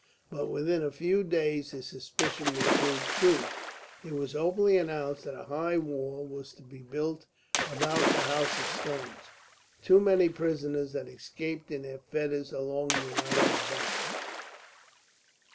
But within a few days his suspicion was proved true. It was openly announced that a high wall was to be built about the House of Stone. Too many prisoners had escaped in their fetters along the Nile bank.